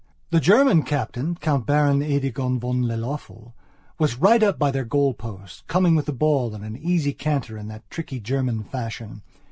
The German Captain, Count Baron Idigon von Lelöffel, was right up by their goal posts, coming with the ball in an easy canter in that tricky German fashion.